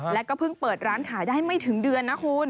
แล้วก็เพิ่งเปิดร้านขายได้ไม่ถึงเดือนนะคุณ